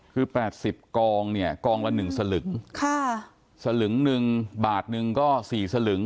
คือแปดสิบกองเนี่ยกองละหนึ่งสลึงค่ะสลึงหนึ่งบาทหนึ่งก็สี่สลึง